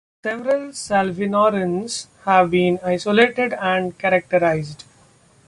Several salvinorins have been isolated and characterized.